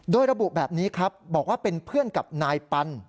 โดยระบุแบบนี้ครับบอกว่าเป็นเพื่อนกับนายปัน